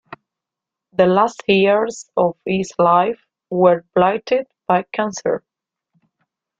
The last years of his life were blighted by cancer.